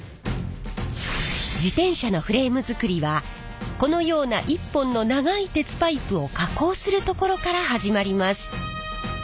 自転車のフレームづくりはこのような一本の長い鉄パイプを加工するところから始まります。